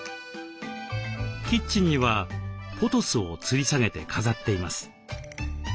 キッチンにはポトスをつり下げて飾っています。